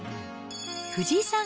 藤井さん